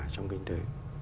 trong kinh tế